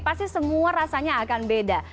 pasti semua rasanya akan beda